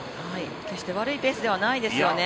決して悪いペースではないですよね。